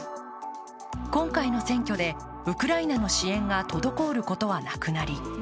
今回の選挙でウクライナの支援が滞ることはなくなり